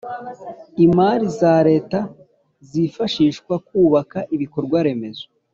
Imari za leta zifashishwa kubaka ibikorwa remezo